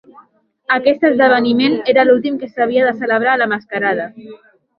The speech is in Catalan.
Aquest esdeveniment era l'últim que s'havia de celebrar a La mascarada.